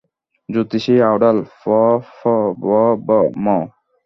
জ্যোতিষী আওড়াল, প, ফ, ব, ভ, ম।